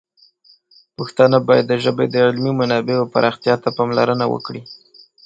پښتانه باید د ژبې د علمي منابعو پراختیا ته پاملرنه وکړي.